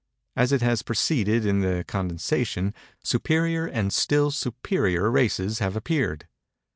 As it has proceeded in its condensation, superior and still superior races have appeared.